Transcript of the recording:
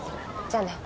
じゃあね。